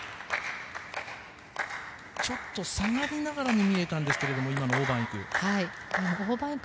ちょっと下がりながらに見えたんですが今のオウ・マンイク。